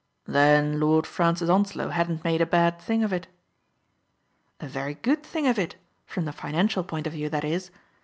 *' "Then Lord Francis Onslow hadn't made a bad thing of it ?'' "A very good thing of it !— from the financial point of view, that is.